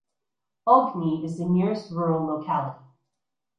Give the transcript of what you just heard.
Ogni is the nearest rural locality.